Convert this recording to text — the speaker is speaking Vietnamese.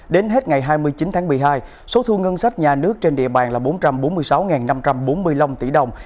đến hết ngày hai mươi chín tháng một mươi hai số thu ngân sách nhà nước trên địa bàn là bốn trăm bốn mươi sáu năm trăm bốn mươi năm tỷ đồng